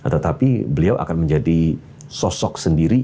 tetapi beliau akan menjadi sosok sendiri